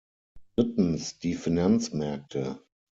Drittens die Finanzmärkte.